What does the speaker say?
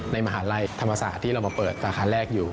มหาลัยธรรมศาสตร์ที่เรามาเปิดสาขาแรกอยู่